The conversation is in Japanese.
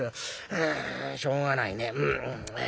うんしょうがないね。